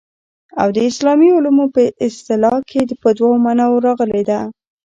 او د اسلامي علومو په اصطلاح کي په دوو معناوو راغلې ده.